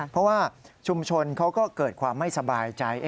เพราะว่าชุมชนเขาก็เกิดความไม่สบายใจ